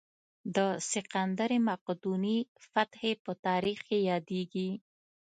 د سکندر مقدوني فتحې په تاریخ کې یادېږي.